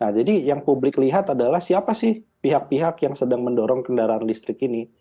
nah jadi yang publik lihat adalah siapa sih pihak pihak yang sedang mendorong kendaraan listrik ini